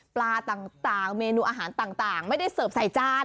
ปลาต่างเมนูอาหารต่างไม่ได้เสิร์ฟใส่จาน